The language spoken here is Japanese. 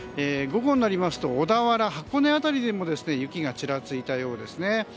午後になりますと小田原、箱根辺りでも雪がちらついたようですね。